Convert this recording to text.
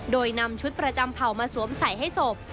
โดยนำชุดประจำเผ่ามาสวมใส่ให้ศพ